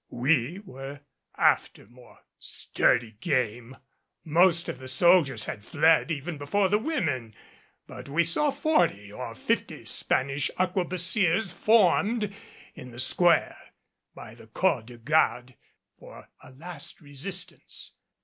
We were after more sturdy game. Most of the soldiers had fled even before the women, but we saw forty or fifty Spanish arquebusiers formed in the square by the corps de garde for a last resistance.